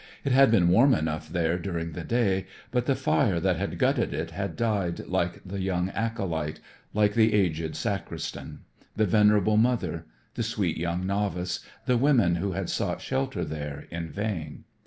It had been warm enough there during the day, but the fire that had gutted it had died like the young acolyte, like the aged sacristan, the venerable mother, the sweet young novice, the women who had sought shelter there in vain.